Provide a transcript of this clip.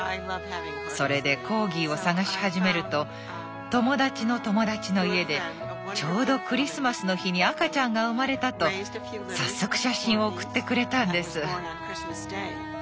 それでコーギーを探し始めると友達の友達の家でちょうどクリスマスの日に赤ちゃんが生まれたと早速写真を送ってくれたんです。